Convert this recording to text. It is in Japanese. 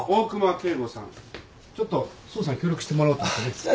ちょっと捜査に協力してもらおうと思ってね。